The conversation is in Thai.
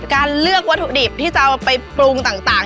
การเลือกวัตถุดิบที่จะเอาไปปรุงต่าง